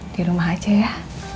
di rumah aja ya